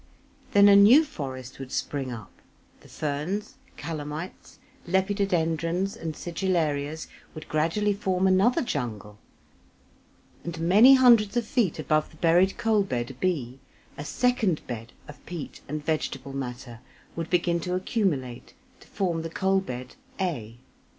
Then a new forest would spring up, the ferns, Calamites, Lepidodendrons, and Sigillarias would gradually form another jungle, and many hundred of feet above the buried coal bed b, a second bed of peat and vegetable matter would begin to accumulate to form the coal bed a.